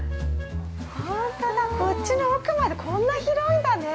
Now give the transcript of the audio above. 本当だ、こっちの奥までこんな広いんだね！